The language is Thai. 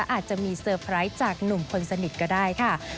อาจจะมีเซอร์ไพรส์จากหนุ่มคนสนิทก็ได้ค่ะ